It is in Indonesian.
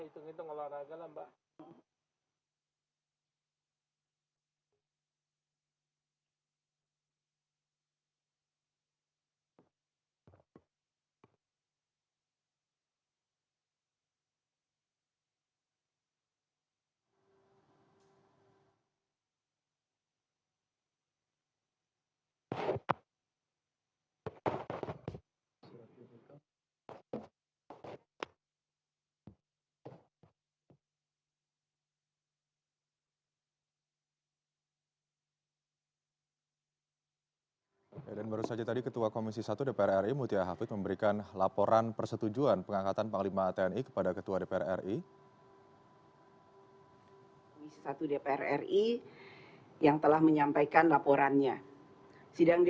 sungguh agohkan para penyengaja tni